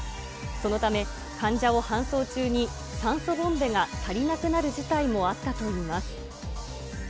そのため、患者を搬送中に酸素ボンベが足りなくなる事態もあったといいます。